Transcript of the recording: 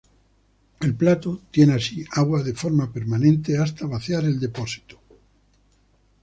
El plato tiene así agua de forma permanente hasta vaciar el depósito.